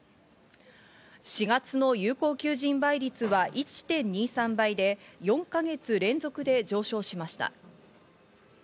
４月の有効求人倍率は１．２３倍で、４か月連続で上昇しました。